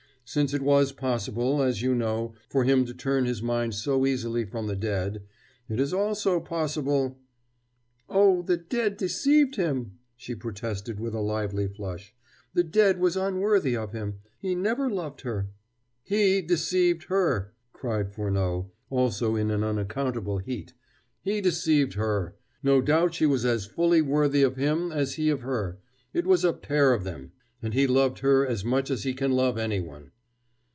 "Since it was possible, as you know, for him to turn his mind so easily from the dead, it is also possible " "Oh, the dead deceived him!" she protested with a lively flush. "The dead was unworthy of him. He never loved her." "He deceived her," cried Furneaux also in an unaccountable heat "he deceived her. No doubt she was as fully worthy of him as he of her it was a pair of them. And he loved her as much as he can love anyone."